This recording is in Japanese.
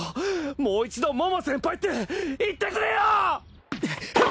もう一度桃先輩って言ってくれよ！！